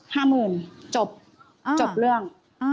ห้าหมื่นจบจบเรื่อง